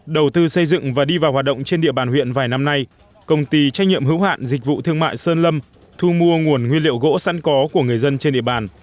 đầu tư xây dựng và đi vào hoạt động trên địa bàn huyện vài năm nay công ty trách nhiệm hữu hạn dịch vụ thương mại sơn lâm thu mua nguồn nguyên liệu gỗ sẵn có của người dân trên địa bàn